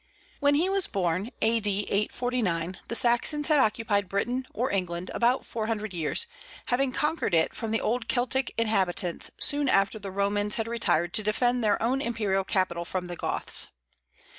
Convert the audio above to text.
When he was born, A.D. 849, the Saxons had occupied Britain, or England, about four hundred years, having conquered it from the old Celtic inhabitants soon after the Romans had retired to defend their own imperial capital from the Goths.